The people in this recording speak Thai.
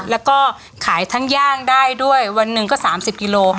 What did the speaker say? แล้วก็ขายทั้งย่างได้ด้วยวันหนึ่งก็๓๐กิโล